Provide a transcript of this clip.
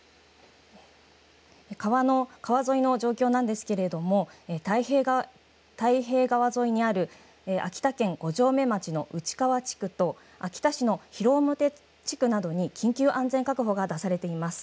川沿いの状況なんですけれども太平川沿いにある秋田県五城目町の内川地区と秋田市の広面地区などに緊急安全確保が出されています。